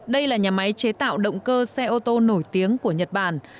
đây là nhà máy chế tạo động cơ xe ô tô nổi tiếng của nhật bản